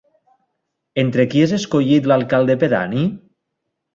Entre qui és escollit l'alcalde pedani?